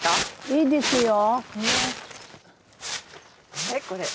いいですよ。